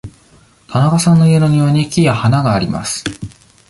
田中さんの家の庭に木や花があります。